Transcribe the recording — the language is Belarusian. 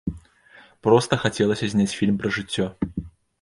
Проста хацелася зняць фільм пра жыццё.